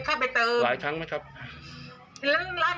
แค่เหล้าขาวนี่เนอะเขากิน